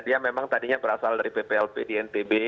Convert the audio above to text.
dia memang tadinya berasal dari pplp di ntb